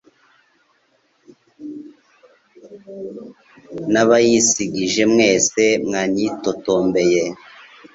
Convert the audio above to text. n abayis gije mwese mwanyitotombeye